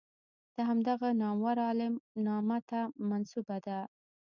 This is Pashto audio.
د همدغه نامور عالم نامه ته منسوبه ده.